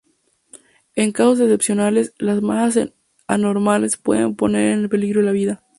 En casos excepcionales, las masas anormales pueden poner en peligro la vida.